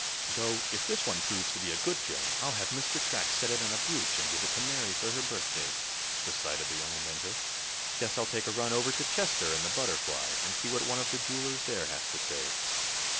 "Though if this one proves to be a good gem, I'll have Mr. Track set it in a brooch, and give it to Mary for her birthday," decided the young inventor. "Guess I'll take a run over to Chester in the Butterfly, and see what one of the jewelers there has to say."